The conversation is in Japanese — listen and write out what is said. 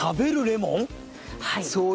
はい。